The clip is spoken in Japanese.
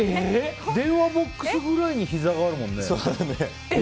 電話ボックスぐらいにひざがあるもんね。